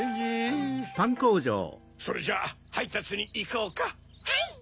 ・それじゃはいたつにいこうか・・はい！